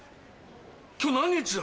今日何日だ？